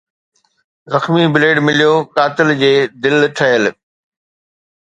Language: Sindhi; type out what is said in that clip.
زخمي بليڊ مليو قاتل جي دل ٺهيل